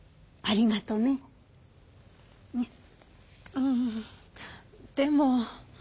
うんでも。